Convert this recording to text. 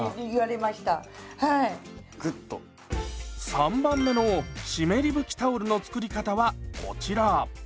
３番目の湿り拭きタオルの作り方はこちら。